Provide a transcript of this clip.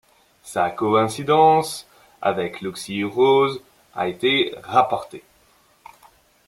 Sa co-incidence avec l'oxyurose a été rapportée.